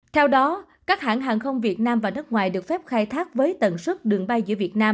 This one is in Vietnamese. theo đó các hãng hàng không việt nam và nước ngoài được phép khai thác với tần suất đường bay giữa việt nam